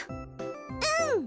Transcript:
うん！